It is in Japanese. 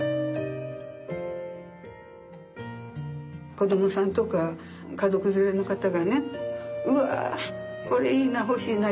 子どもさんとか家族連れの方がね「うわこれいいな欲しいな」